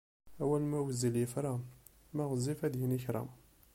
Awal, ma wezzil yefra, ma ɣezzif ad d-yini kra.